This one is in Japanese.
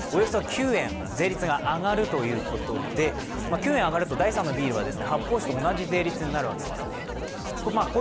９円上がると第３のビールは発泡酒と同じ税率になるわけですね。